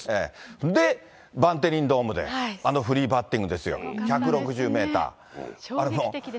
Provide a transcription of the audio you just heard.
で、バンテリンドームで、あのフリーバッティングですよ、１６０メーター。